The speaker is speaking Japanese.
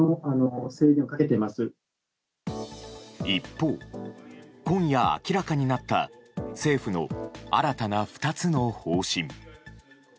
一方、今夜明らかになった政府の新たな２つの方針。